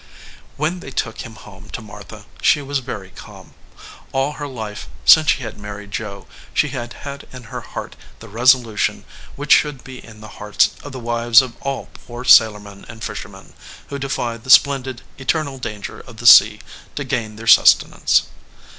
When they took him home to Martha she was very calm. All her life, since she had married Joe, she had had in her heart the resolution which should be in the hearts of the wives of all poor sailormen and fishermen, who defy the splendid, eternal danger of the sea to gain their sustenance.